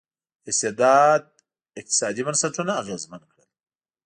استبداد اقتصادي بنسټونه اغېزمن کړل.